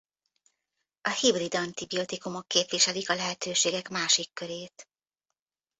A hibrid antibiotikumok képviselik a lehetőségek másik körét.